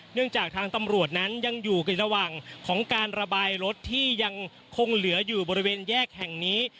จากทางตำรวจนั้นยังอยู่ในระหว่างของการระบายรถที่ยังคงเหลืออยู่บริเวณแยกแห่งนี้